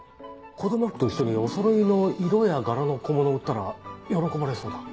子供服と一緒におそろいの色や柄の小物を売ったら喜ばれそうだ。